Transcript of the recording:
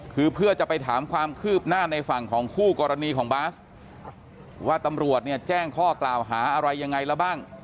คือเพื่อจะไปถามความคืบหน้าในฝั่งของคู่กรณีของบาสว่าตำรวจเนี่ยแจ้งข้อกล่าวหาอะไรยังไงแล้วบ้าง